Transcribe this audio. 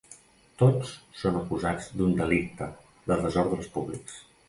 Tots són acusats d’un delicte de desordres públics.